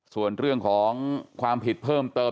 ส่วนเรื่องของความผิดเพิ่มเติม